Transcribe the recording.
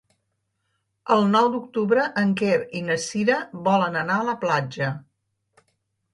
El nou d'octubre en Quer i na Cira volen anar a la platja.